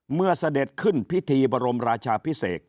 เสด็จขึ้นพิธีบรมราชาพิเศษ